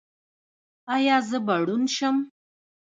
ایا زه به ړوند شم؟